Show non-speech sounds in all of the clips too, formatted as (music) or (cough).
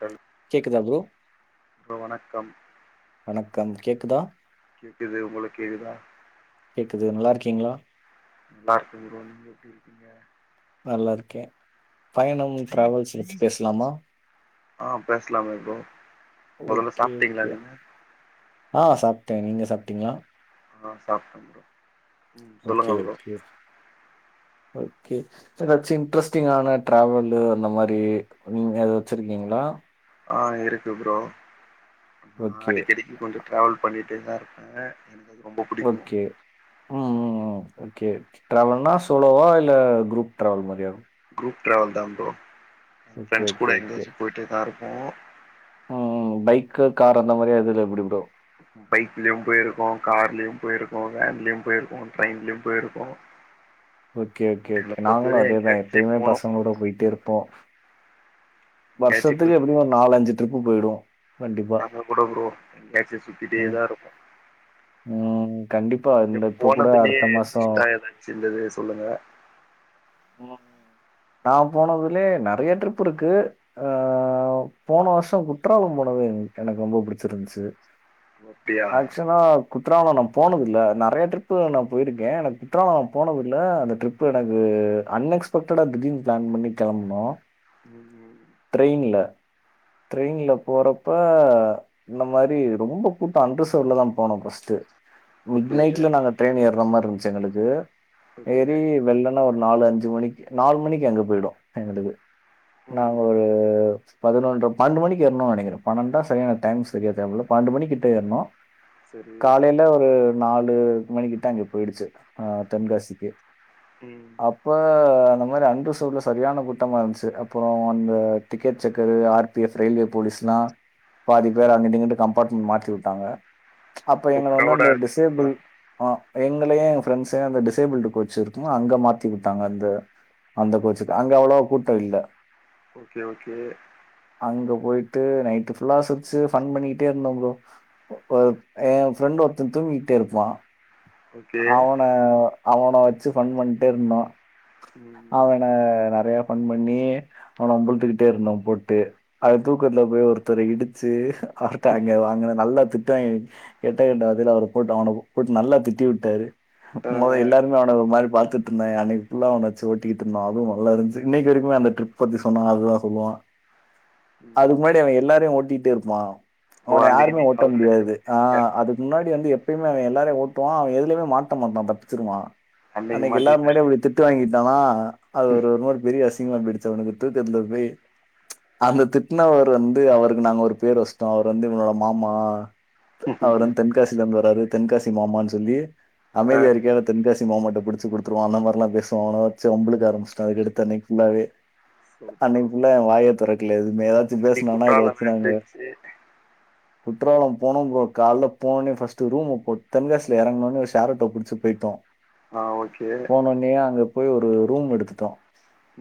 சரி கேக்குதா bro bro வணக்கம் வணக்கம் கேக்குதா கேக்குது ஒங்ளுக் கேக்குதா கேக்குது நல்லார்க்கீங்களா நல்லார்க்கே ப்ரோ நீங்க எப்டி இருக்கீங்க நல்லா இருக்கே பயணம் ட்ராவல்ஸ் வச்சி பேசலாமா ஆ பேசலாமே ஃப்ரோ ஓகே ஓகே ஆ சாப்ட்டே நீங்க சாப்ட்டீங்களா ஆ சாப்ட்டே ப்ரோ ம் ஓகே சொல்லுங்க ப்ரோ ஓகே ஓகே எதாச்சு இன்ட்ரெஸ்டிங்கான ட்ராவலு அந்த மாரி நீங்க எதா வச்சிர்க்கீங்ளா ஆ இருக்கு ப்ரோ ஆ ஓகே, அடிக்கடி ன்னு கொஞ்ச ட்ராவல் பண்ணிட்டே தா இருப்பே எனக்கு அது ரொம்ப புடிக்கு ஓகே ம் ம் ம் ஓகே ஓகே ட்ராவல்னா சோலோவா இல்ல குரூப் ட்ராவல் மாரியா குரூப் ட்ராவல் தா ப்ரோ ஓகே, ஃப்ரெண்ட்ஸ் ஓகே, கூட ஓகே. எங்கயாச்சு பொய்ட்டே தா இருப்போ ம் பைக்கு காரு அந்த மாரியா இதுல எப்டி ப்ரோ பைக்லயு போயிருக்கு கார்லயு போயிருக்கு வேன்லயு போயிருக்கோ ட்ரெயின்லயு போயிருக்கோ (inaudible) ஓகே ஓகே எங்கள ஓகே நாங்களு பொறுத்தவரையு அதேதா எங்கயாச்சு எப்பயுமே போனு பசங்களோட போயிட்டே இருப்போ எங்கயாச்சு போய் வருஷத்துக்கு எப்டியு ஒரு நாலஞ்சு ட்ரிப்பு போயிடுவோ நாம கூட ஃப்ரோ எங்கயாச்சு சுத்திட்டே ம், தா இருக்கு ம், கண்டிப்பா நீங்க இந்த இப்போ கூட போனதுலயே அடுத்த மாசம் இஷ்டா ஏதாச்சு இருந்தது சொல்லுங்க (inaudible) நா போனதுலயே நெறைய ட்ரிப் இருக்கு ஆ போன வருஷ குற்றால போனது எனக்கு ரொம்ப புடிச்சிருந்துச்சு அப்டியா ஆக்சன்னா குற்றால நா போனதில்ல நெறைய ட்ரிப்பு நா போயிருக்கே எனக்கு குற்றால நா போனதில்ல அந்த ட்ரிப்பு எனக்கு அன்எக்ஸ்பெக்டடா திடீர்ன் பிளான் பண்ணி கெளம்புனோ ஆமா ட்ரெயின்ல ட்ரெயின்ல போறப்ப இந்த மாரி ரொம்ப கூட்ட அன்ரிசவுட்லதா போனோ ஃபர்ஸ்ட்டு மிட் ஓகே நைட்ல நாங்க ட்ரெயின் ஏற மாரி இருந்துச்சு எங்களுக்கு ஓகே ஏறி வெள்ளன்னா ஒரு நாலு அஞ் சு மணிக்கு நாலு மணிக்கு அங்க போயிடு எங்களுக்கு நாங்க ம் ஒரு பதினொன்ர பன்னண்டு மணிக்கு ஏறுனோ நெனைங்கிறே பன்னெண்டா சரியான டைம் தெரியல பன்னண்டு மணிக்கிட்ட ஏறுனோ சரி காலையில ஒரு நாலு மன்னிகிட்ட அங்க போயிடுச்சு அ தென்காசிக்கு ம் இப்ப அந்த மாரி அண்ரிசர்வ்ட்ல சரியான கூட்டமா இருந்துச்சு அப்பற அந்த ticket checker R P F railway போலீஸ்ல்லா இப்ப பாதி பேர் அங்கட்டுங்கிட்டு கம்பார்ட்மெண்ட் மாத்தி விட்டாங்க அப்ப இப்போ எங்களை வந்து க்ரௌடா அந்த இருக்குன்னா டிசேபிள் ஆ எங்களயி எங்க ஃரெண்ட்ஸயு அந்த டிசேபிள்டு கோச் இருக்கு அங்க மாத் தி விட்டாங்க அந்த அந்த கோச்க்கு அங்க அவ்வளவுவா கூட்ட இல்ல ஓகே ஓகே அங்க போயிட்டு நைட்டு ஃபுல்லா சிரிச்சு ஃபன்னு பண்ணிட்டே இருந்தோம் ப்ரோ அ எ ஃப்ரெண்ட் ஒருத்த தூங்கிட்டே இருப்பா ஓகே அவன அவன வச்சு ஃபன்னு பண்ட்டே இருந்தோ ம் அவ நெறைய ஃபன் பண்ணி அவனை வம்புழுத்துக்கிட்டே இருந்தோ போட்டு அது தூக்கத்துல போய் ஒருத்தரை இடிச்சு பார்த்தாங்க அங்கன நல்லா திட்டுவாய்ங்க கெட்ட கெட்ட வார்த்தையில அவர போட்டு அவன போட்டு நல்லா திட்டி விட்டாரு மொத ஆ எல்லாருமே அவன ஒரு மாரி பாத்து ட்ருந்தாங்க அன்னைக்கு புல்லா அவன ஓட்டிட்ருந்தோ அது நல்லா இருந்ச்சு இன்னைக்கி வரைக்குமே அந்த ட்ரிப் பத்தி சொன்னா அதுதா சொல்லுவா (inaudible) அதுக்கு ம் முன்னாடி அவ எல்லாரையு ஒடிட்டிட்டே இருப்பா ஓ அவன அன்னைக்கு யாருமே நீங்க ஓட்ட அவர வச்சு முடியாது ஆ ஓட்டிட்டீங்க அதுக்கு முன்னாடி வந்து எப் எப்பயும்மே அவ எல்லோரையு ஒட்டுவா அவ எதுலயுமே மாட்ட மாட்டா தப்புச்சுடுவா அன்னைக்கு எல்லாரு முன்னாடியு மாட்டினாரு அப்டி திட்டு வாங்கிட்டான்னா அது ஒரு ஒரு மாரி பெரிய அசிங்கமா போயிடுச்ச அவனுக்கு தூக்குத்துல போய் அந்த திட்டனவர் வந்து அவருக்கு நாங்க ஒரு பேர் வச்சுட்டோ அவரு வந்து இவங்க மாமா அவர் வந்து தென்காசில இருந்து வராரு தென்காசி மாமான்னு சொல்லி ஆ அமைதியா இருக்கியா இல்ல தென்காசி மாமாகிட்ட பிடிச்சி குடுத் துருவோ அந்த மாரிலா பேசுவோ அவன வச்சு வம்பிலுக்கா ஆரம்பிச்சிட்டோ அதுக்கடுத்து அன்னைக்கு புல்லாவே சூப்பர் அன்னைக்க ப்ரோ புல்லா அவ வாயே தொறக்கல எதுமே ஏதாச்சு எப்டி பேசனனா இத குற்றாலம் வச்சு எப்டி நாங்க இருந்துச்சு (inaudible) குற்றாலம் போனும் ப்ரோ காலையில போனே ஃபஸ்ட் ரூம் தென்காசியில இறங்கணும் ஷேர் ஆட்டோ பிடிச்சு போயிட்டோ ஆ ஓகே இறங்குன்ன உடனே அங்க போய் ஒரு ரூம் எடுத்துட்டோம்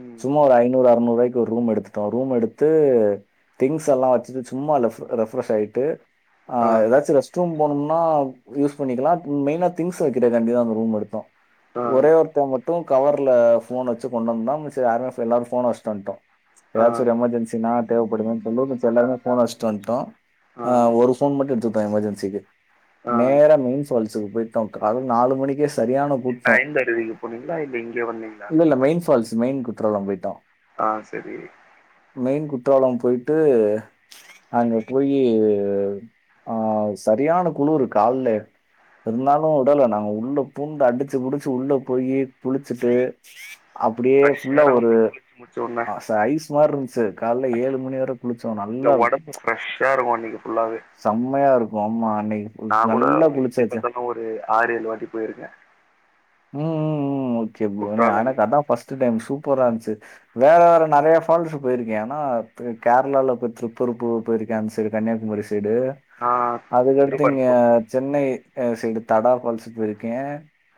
ம் சும்மா ஒரு ஐநூறு அறுநூறு ரூபாயிக்கு ரூம் எடுத்துட்டோ ரூம் எடுத்து திங்ஸ் எல்லாம் வச்சுட்டு சும்மா ரெஃப்ரேஷ் ஆயிட்டு ஆ ஏதாச்சு ரெஸ்ட் ரூம் போனோம்னா யூஸ் பண்ணிக்கலா மெயினா திங்ஸ் வைக்கிற காண்டி தா அந்த ரூம் எடுத்தோ ஆ ஒரே ஒருத்தர் மட்டும் கவர்ல போன் வச்சு கொண்டு வந்தா மிச்ச யாமே எல்லாரு போன் வச்சுட்டு வந்துட்டோ ஆ ஏதாச்சு ஒரு எமர்ஜென்சினா தேவைப்படுமன்னு சொல்ல எல்லாருமே போன் வச்சுட்டு வந்துட்டோ ஆ ஒரு ஃபோன் மட்டும் எடுத்துட்டோ எமர்ஜென்சிக்கு ஆ நேரா மெயின் ஃபால்ஸ்க்கு போயி டோம் அது நாலு மணிக்கே சரியான கூட்டம் சேரி நீங்க போனே இல்ல இல்ல மெயின் ஃபால்ஸ் மெயின் குற்றலாம் போயிட்டோ ஆ சரி மெயின் குற்றாலம் போயிட்டு அங்க போயி ஆ சரியான குளிரு கால்ல இருந்தாலும் விடல நாங்க உள்ள பூந்து அடிச்சு புடிச்சு உள்ள போயி குளிச்சிட்டு அப்படியே ஃப்ரெஷ்ஷா ஃபுல்லா இருக்கு ஒரு ப்ரோ குளிச்சு முடிச்ச உடன ச ஐஸ் மாதிரி இருந்துச்சு கால ஏழு மணி வேற குளிச்சோம் நல்லா ஃப்ரெஷ் இருக்கும் அன்னைக்கு புல்லாவே செம்மையா இருக்கு ஆமா அன்னைக்கு கூட நல்லா எப்டி குளிச்சாச்ச பாத்தாலு ஒரு ஆறு ஏழு வாட்டி போயிருக்க ம் ம் ம் ஓகே ப்ரோ குற்றாலமு எனக்கு அதா பர்ஸ்ட்ட் டைம் சூப்பர இருந்துச்சு வேற வேற நிறைய பால்ஸ் போயிருக்கே ஆனா கேரளால போய் திருப்பறுப்பு போயிருக்கே அந்த சைடு கன்னியாகுமரி சைடு ஆ அதுக்கடுத் இங்க திருப்பரப்பூர் சென்னை சைடு தடா பால்ஸ் போயிருக்கே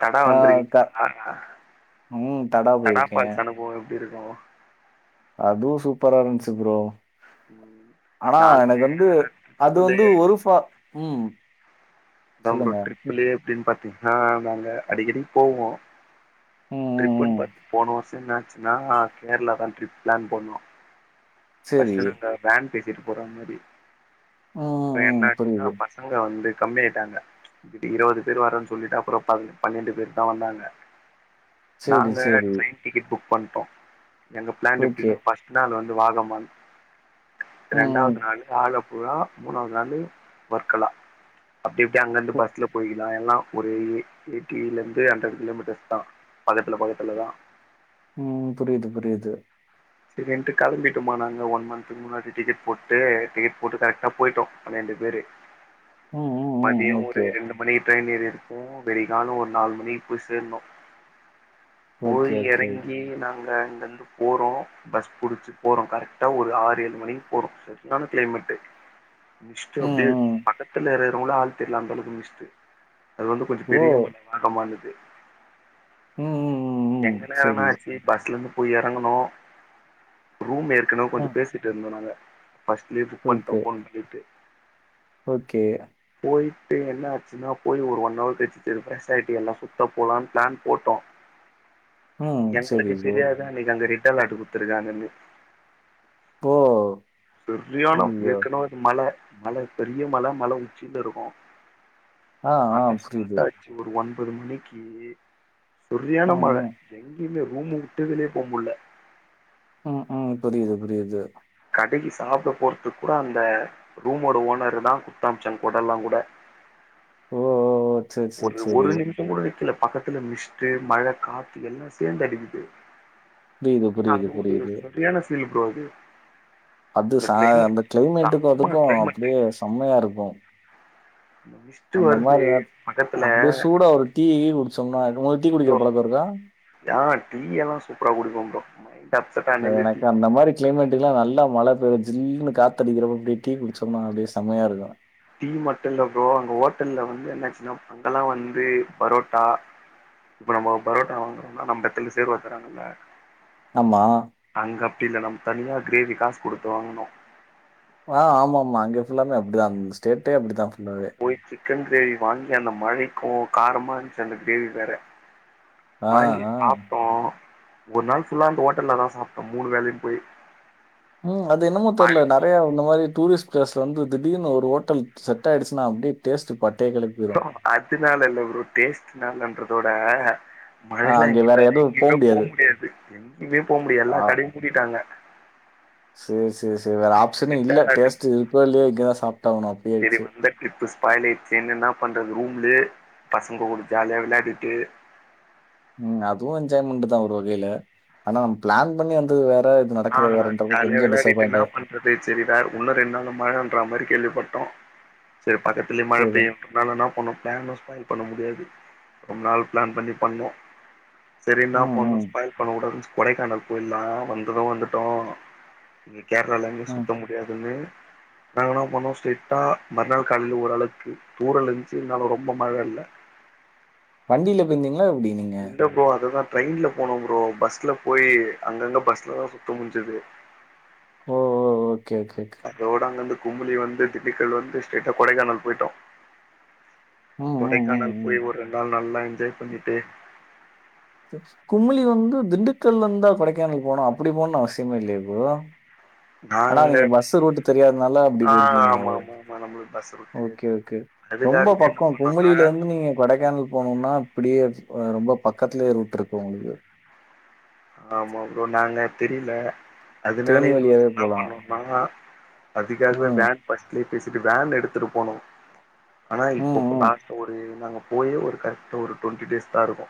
தடா வந்திருக்கீங்களா ம் தடா போயிருக்கேன். பால்ஸ் அனுபவம் எப்படி இருக்கும் அது சூப்பர்ரா இருந்துச்சு ப்ரோ ம் ஆனா நாங்க எனக்கு வந்து அது வந்து ட்ரிப்புலயே ஒரு பா ம் அதா ப்ரோ சொல்லுங்க. ம், ட்ரிப்புலே எப்படின்னு பாத்தீங்கன்னா நாங்க அடிக்கடி போவோ ம் ம், ம். ட்ரிப்புன்னு போன வருஷம் என்ன அச்சுனா கேரளா தா ட்ரிப் பிளான் பண்ணோ சரி. ஃபர்ஸ்ட் நாங்க வேன் பேசிட்டு போற மாதிரி ம், அப்புறம் ம், என்ன ம். ஆச்சுன்னா புரியுது. அங்க வந்து கம்மியிட்டாங்க இப்படி இருவதுபேர் வரேன்னு சொல்லிட்டு அப்புறம் பன்ரெண்டு பேர் தா வந்தாங்க சரி, நாங்க சரி. ட்ரெயின் டிக்கெட் புக் பண்ணிட்டோ எங்க பிளான் ஓகே. எப்படின்னா ஃபர்ஸ்ட் நாள் வந்து வாகம்மா இரண்டாவது ம், நாள் ஆலப்புழா மூணாவது நாள் வர்கலா ஆப்படி ஆப்டி அங் இருந்து ம். பஸ்ல போய் இதா எல்லா ஒரு எயிட்டில இருந்து ஹண்ட்ரட் கிலோமீட்டர்ஸ் தா பக்கத்துல பக்கத்துல தா ம் ம் புரியுது புரியுது சரி ரன்ட்டு கிளம்பிட்டோமா நாங்க ஒன் மந்த்துக்கு முன்னாடி டிக்கெட் போட்டு டிக்கெட் போட்டு கரெக்டா போயட்டோ பண்ரெண்டு பேர் ம், ம், ம். மதியம் ஒரு ஓகே. ரெண்டு மணி ட்ரெயின் ஏறி இருப்போம் விடியகால ஒரு நாலு மணி போய் சேரனும் போய் ஓகே ஓகே. எறங்கி நாங்க அங்கிருந்து போறோ பஸ் புடிச்சு போறோ கரெக்டா ஒரு ஆறு ஏழு மணிக்கு போறோ சரியான கிளைமேட்டு மிஸ்ட்டு ம், அப்படியே ம். பக்கத்துல இருக்கிறவங்களே ஆள் தெரிலா அந்தளவுக்கு மிஸ்ட்டு அது வந்து கொஞ்சோ ஓ! பெரிய மலை வாட்டமானது ம், ம், ம், ம். எங்கன எறங்கனு சரி. ஆச்சி பஸ்ஸலருந்து போய் எறங்கணு ரூம் ஏற்கனவே கொஞ்சோ ம். பேசிட்டு இருந்தோ நாங்க ஃபர்ஸ்ட்லே புக் பண்ட்டோ ஓகே, ஃபோன் பண்ணிட்டு ஓகே போயிட்டு என்ன ஆச்சுன்னா போய் ஒரு ஒன் ஹவர் கழிச்சு சேரி ஃப்ரெஷ் ஆயிட்டு எல்லா சுத்த போலான்னு பிளான் போட்டோ ம். சரி எங்களுக்கு ப்ரோ. தெரியாது அன்னைக்கு அங்க ரெட் அலார்ட் குடுத்துருக்காங்கனு ஓ செரியான ஐயய்யோ! ஏற்கனவே அது மல மல பெரிய மல, மல உச்சில இருக்கு ஆ, ஆ மழை ஸ்டார்ட் புரியுது. ஆச்சு ஒரு ஒன்பது மணிக்கு சரியரியான ம், மழை ம். எங்கயுமே ரூமு விட்டே வெளிய போ முடில ம், ம், புரியுது புரியுது கடைக்கு சாப்பிட போறதுக்கு கூட அந்த ரூமோட ஓனர்ருதா குடுத்தமிச்சாங்க கொடல்லா கூட ஓ ஓ ஓ சரி, சரி, ஒரு ஒரு சரி. நிமிஷ கூட நிக்கில பக்கத்துல மிஸ்ட்டு மழ காத்து எல்லா சேந்து அடிக்குது புரியுது, ஆனா புரியுது, அது ஒரு புரியுது. சரியான ஃபீல் ப்ரோ அது அது அந்த ச கிளைமேட் அந்த கிளைமேட்டுக்கு செம்ம அதுக்கு அப்டியே செமையா இருக்கு மிஸ் அந்த மாரி நேரத்துல அப்டியே சூடா ஒரு டீ கி குடிச்சோம்னா உங்களுக்கு டீ குடிக்கிற அச்சோ பழக்க இருக்கா ஆ டீயெல்லா சூப்பரா குடிப்ப ப்ரோ அப்செட் எனக்கு ஆனாலே டீ எனக்கு தா அந்த மாரி கிளைமேட்டுக்கெல்லா நல்லா மழை பெய்ச்சு ஜில்ன்னு காத்தடிக்கிறப்ப அப்டியே டீ குடிச்சோம்னா அப்டியே செமையா இருக்கு டீ மட்டுல்ல ப்ரோ அங்க ஹோட்டல்ல வந்து என்னாச்சுன்னா அங்கல்லா வந்து பரோட்டா இப்ப நம்ம பரோட்டா வாங்குறோம்னா நம்ம எடத்துல சேர்வா தராங்கல்ல ஆமா அங்க அப்டி இல்ல நம்ம தனியா கிரேவி காசு குடுத்து வாங்குனு ஆ ஆமா ஆமா அங்க ஃபுல்லாமே அப்டிதா அந்த ஸ்டேட்டே அப்டிதா ஃபுல்லாவே போய் சிக்கன் கிரேவி வாங்கி அந்த மழைக்கு காரமா இருந்துச்சு அந்த கிரேவி வேற ஆ, வாங்கி ஆ. சாப்ட்டோ ஒரு நாள் ஃபுல்லா அந்த ஹோட்டல்லதா சாப்ட்டோ மூணு வேளையு போயி ம் அது என்னமோ தெர்ல ந றையா இந்த மாரி டூரிஸ்ட் பிளேஸ்ல வந்து திடீர்னு ஒரு ஓட்டல் செட்டாயிடுச்சினா அப்டி டேஸ்ட்டு பட்டய கெளப்பிரு அதுனால இல்ல ப்ரோ டேஸ்ட்டுனாலன்றதோட மழல்லா அங்க வேற எங்கேயுமே போ முடியாது எங்கேயுமே போ முடியாது எல்லா கடையு மூடிட்டாங்க சேரி சேரி சேரி வேற அந்த ஆப்ஷனே ரெட் இல்ல டேஸ்ட் இருக்கோ இல்லியோ இங்கேதா சாப்ட்டாவுணு சேரி வந்த டிரிப் ஸ்பாயிலாயிடுச்சேன்னு என்ன பண்றது ரூம்லே பசங்க கூட ஜாலியா விளையாடிட்டு ம் அதுவு என்ஜாய்மெண்ட்தா ஒரு வகைல ஆனா நம்ம பிளான் பண்ணி வந்தது வேற நடக்குது வேறன்றப்ப கொஞ்சோ டிசப்பாயிண்டா ப்படியே போயிடுச்சு செரி வேற இன்னு ரெண்டு நாள்ல மழன்ற மாரி கேள்விப்பட்டோ செரி பக்கத்துலியு மழ சரி. பெய்யு ரெண்டு நாளு என்ன பண்ணோ பிளானு ஸ்பாயில் பண்ண முடியாது ரொம்ப நாள் பிளான் பண்ணி பண்ணோ சேரி என்னா ம், பண்ணோ ம், ஸ்பாயில் பண்ண கூடாதுனு கொடைக்கானல் போய்ட்லா வந்தது வந்துட்டோ கேரளால அங்க ம். சுத்த முடியாதுன்னு நாங்க என்ன பண்னோ ஸ்டெயிட்டா மறுநாள் காலைல ஓர் அளவுக்கு தூரல் இருந்துச்சு இருந்தாலு ரொம்ப மழ இல்ல வண்டில போயிர்ந்தீங்ளா எப்டி நீங் இல்ல ஃப்ரோ அததா ட்ரெயின்ல போனோம் ஃப்ரோ பஸ்ல போயி அங்கங்க பஸ்லதா சுத்த முஞ்சுது சேர் சேர் சே அதோட அங்க அந்து குமிழி வந்து திண்டுக்கல் வந்து ஸ்டெயிட்டா கொடைக்கானல் போயிட்டோ ம், ம், ம், கொடைக்கானல் ம். போய் ஒரு ரெண் நாள் நல்லா என்ஜாய் பண்ணிட்டு சேர் குமுளி வந்து திண்டுக்கல்ல இருந்தா கொடைக்கானல் போனூ அப்டி போன்னு அவசியமே இல்லியே ஃப்ரோ ஆனா நாங்க நீங்க பஸு ரூட்டு தெரியாதனால அப்டி ஆ போயிர்க்கீங்க ஆமா ஓ ஆமா ஆமா நம்மளுக்கு பஸ் ரூட் தெரியாது ஓகே ஓகே ரொம்ப அதுக்காகவே என்ன பக்கோ பண்ணோனா குமுளில இருந்து நீங்க கொடைக்கானல் போனுனா இப்டியே ரொம்ப பக்கத்துலயே ரூட் இருக்கு உங்ளுக்கு ஆமா ஃப்ரோ நாங்க தெரில தேனி அதுனாலயே வழியாவே யோசுச்சம்னா போலாம். பண்ணோனா அதுக்காகவே ம், வேன் ஃபஸ்ட்லயே பேசிட்டு வேன் எடுத்துட்டு போனோ ஆனா ம், இப்பப்ப ம். லாஸ்ட்டு ஒரு நாங்க போயே ஒரு கரெக்ட்டா ஒரு டுவொண்ட்டி டேஸ் தா இருக்கு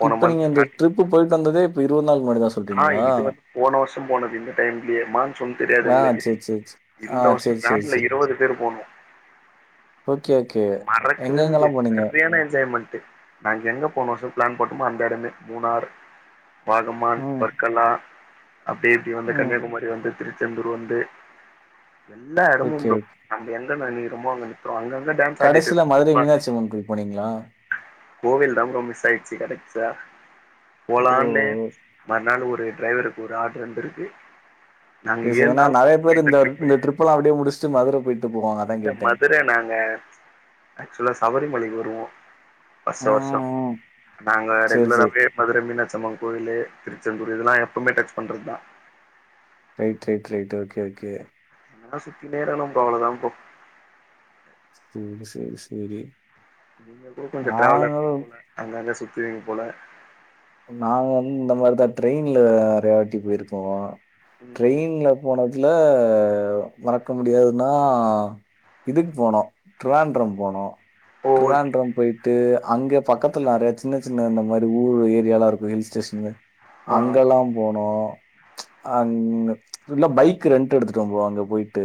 போன இப்ப நீங்க மந்த் இந்த ட்ரிப்பு போயிட்டு வந்ததே இருவது நாள் முன்னாடிதாஸ் ஆனா இது வந்து போன வருஷம் போனது இந்த டைம்லயே மான்சூன்னு தெரியாது ஆ எங்களுக்கு சரி, சரி, சரி. ஆ இந்த வருஷோ சரி, சரி, வேன்ல சரி. இருவது பேரு போணோ ஓகே ஓகே மறக்கவே எங்கெங்கலாம் முடியாது போனீங்க? சரியான என்ஜாய்மெண்ட்டு நாங்க எங்க போன வருஷோ பிளேன் போட்டமோ அந்த எடமே மூணாற் வாகமான் ம், வர்கல்லா அப்டி இப்டி வந்து ம். கன்னியாகுமர் ரி வந்து திருச்செந்தூர் வந்து எல்லா எடமும் ஓகே, ஃப்ரோ ஓகே. நம்ம எங்க நெனைக்குறமோ அங்க நிக்குறோ அங்கங்க டே கடைசில மதுரை மீனாட்சி அம்மன் கோவில் போனீங்களா கோவில் தாம் ஃப்ரோ மிஸ் ஆயிடுச்சு கடைக்சா ஓ போலான்னு மறுநாள் ஒரு டிரைவருக்கு ஒரு ஆர்டரு வந்துருக்கு நாங்க பேசுங்க ஏழு ஏன்னா நாள் நறையா போனோ ப்ரோ பேரு இந்த ட்ரிப்பு இந்த ட்ரிப்பெல்லா அப்டியே முடுச்சுட்டு மதுர போயிட் இல்ல மதுர நாங்க ஏக்சுவலா சபரிமலைக்கு வருவோ வருஷ வருஷோ ம் ம். நாங்க சரி சரி. ரெகுலராவே மதுரை மீனாட்சி அம்மங் கோயிலு திருச்செந்தூர் இதெல்லா எப்பமே டச் பண்றதா right right right okay okay என்ன சுத்தினே இருக்கனும் ஃப்ரோ அவ்வளதாம் ஃப்ரோ சூ சேரி சேரி நீங்களு கொஞ்சோ டிரேவலர்தா அங்கங்க சுத்துவிங்க போல நாங்க வந்து இந்த மார்தா ட்ரெயின்ல நறையா வாட்டி போயிருக்கோ ம் ட்ரெயின்ல போனதுல மறக்க முடியாதுன்னா இதுக்கு போனோ டிரேண்டரம் போனோ ஓ ஓகே திருவாண்டரம் போயிட்டு அங்க பக்கத்துல நறையா சின்ன சின்ன இந்த மாரி ஊரு இது எல்லா இருக்கு ஹில் ஸ்டேஷனு ஆ அங்கெல்லாம் போனோ ம்ச் அங்க ஃபுல்லா பைக்கு ரெண்ட்டு எடுத்துட்டுதா போவோ அங்க போயிட்டு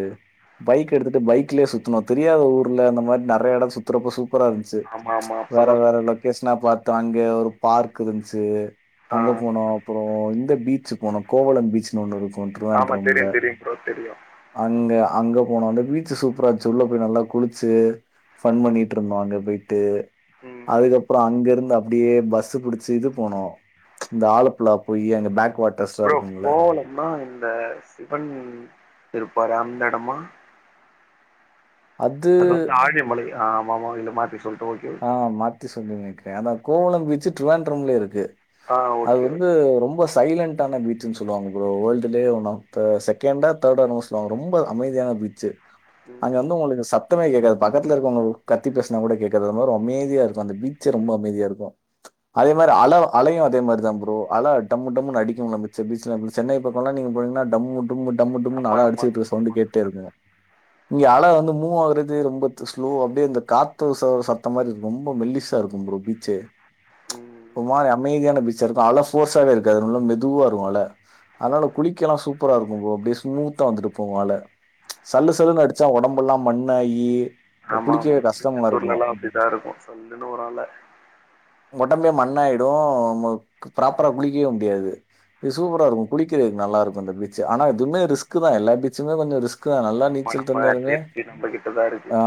பைக் எடுத்துட்டு பைக்லயே சுத்துனோ தெரியாத ஊர்ல அந்த மாரி நறையா எடோ சுத்துறப்ப சூப் சூப்பரா இருஞ்சு ஆமா ஆமா ஆமா ம்ச் ஆமா வேற அப்பதா வேற சூப்பரா இருக்கு. லொக்கேஷனா பாத்தோ அங்க ஒரு பார்க் இருஞ்சு ஆ அங்க போனோ அப்புறோ இந்த பீச்சு போனோ கோவலம் பீச்சு ன்னு ஒன்னு இருக்கு ஆமா திருவாண்ட்ரம்ல தெரியு தெரியு ப்ரோ தெரியு அங்க அங்க போனோ அந்த பீச்சு சூப்பரா இருஞ்சு உள்ள போய் நல்லா குளுச்சு கஃபன் பண்ணிட்டு இருந்தோ அங்க போயிட்டு ம் அதுக்கப்பறோ அங்க இருந்து அப்டியே பஸ்ஸு புடுச்சு சு இது போனோ இந்த ஆலப்புலா போயி அங்க பேக் வாட் ப்ரோ கோவளம்னா இந்த சிவன் இருப்பாரு அந்த எடமா அது வந்து ஆழிமலை ஆ ஆமாமா இல்ல மாத்தி சொல்லிட்டோய் ஆ மாத்தி சொல்லிக்கிற அதா கோவளோ பீச்சு திருவாண்ட்ரம்லே இருக்கு ஆ அது ஓகே வந்து ஓகே ரொம்பஸ் சைலண்டான பீச்சுன் சொல்லுவாங்க ப்ரோ வேர்ல்ட்லயே ஒன் ஆஃப் த செகண்டா தேர்டா எனமோ சொல்லுவாங்க ரொம்ப அமைதியான பீச்சு அங்க ம் வந்து உங்களுக்கு சத்தமே கேக்காது பக்கத்துல இருக்கவங்க கத்தி பேசுனா கூட கேக் காது அது மாரி அமைதியா இருக்கு அந்த பீச்சே ரொம்ப அமைதியா இருக்கு அதே மாரி அல அலையு அதே மாரி தா ப்ரோ அல டம்மு டம்முனு அடிக்கும்ல மிச்ச பீச்ல சென்னை பக்கோலா நீங்க போனீங்கன்னா டம்மு டும்மு டம்மு டும்முனு ஆமா அல ஆமா அடிச்சுட்ருக்க ஆமா சவ்ண்டு ஆமா கேட்டே இருக்கு இங்க அல வந்து மூவ் ஆகுறது ரொம்ப ஸ்லோ அப்டியே அந்த காத்து பாத்த மாரி ரொம்ப மெல்லிசா இருக்கு ப்ரோ பீச்சே ம் ஒரு மாரி அமைதியான பீச் சா இருக்கு அல போர்ஸாவே இருக்காது நல்லா மெதுவாக இருக்கு அல அதனால குளிக்கெல்லா சூப்பரா இருக்கு ப்ரோ அப்டியே ஸ்மூத்தா வந்துட்டு போகு அல சல்லு சல்லுன்னு அடிச்சா ஒடம்பெல்லா மண்ணாயி ஆமா ஆமா குளிக்கவே கஷ்டமா இருக்கும். திருச்செந்தூர்லல்லா அப்டிதா இருக்கு சல்லுன்னு வரு அல ஒடம்பே மண்ணாய்டு உங்களுக்கு ப்ராப்பரா குளிக்கவே முடியாது இது சூப்பரா இருக்கு குளிக்கிறதுக் நல்லா இருக்கு இந்த பீச்சு ஆனா இதுவுமே ரிஸ்கு தா எல்லா பீச்சுமே கொஞ்சோ ரிஸ் க்கு தா நல்லா ஆமா நீச்சல் நம்ம தெரிஞ்சாலுமே சேஃப்டி நம்ம கிட்டதா இருக்கு ஆ